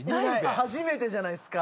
初めてじゃないですか？